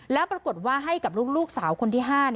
แล้วปรากฏว่าให้กับลูกสาวคนที่๕